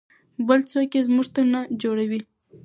بل څوک یې موږ ته نه جوړوي.